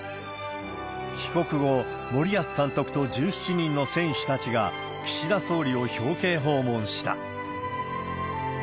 帰国後、森保監督と１７人の選手たちが岸田総理を表敬訪問した。